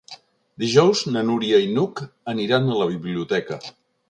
Dijous na Núria i n'Hug aniran a la biblioteca.